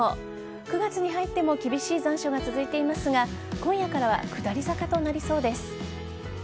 ９月に入っても厳しい残暑が続いていますが今夜からは下り坂となりそうです。